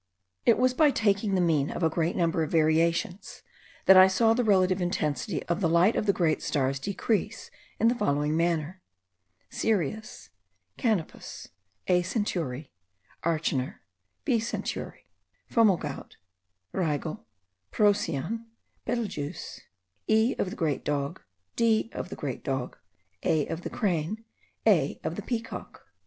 It was by taking the mean of a great number of valuations, that I saw the relative intensity of the light of the great stars decrease in the following manner: Sirius, Canopus, a Centauri, Acherner, b Centauri, Fomalhaut, Rigel, Procyon, Betelgueuse, e of the Great Dog, d of the Great Dog, a of the Crane, a of the Peacock.